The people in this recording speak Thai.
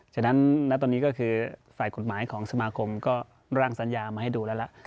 ฉะนั้นณตอนนี้ก็คือฝ่ายกฎหมายของสมาคมก็ร่างสัญญามาให้ดูแล้วล่ะ